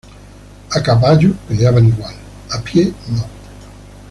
A caballo peleaban igual, a pie no.